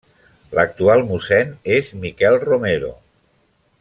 L'actual mossèn és Miquel Romero.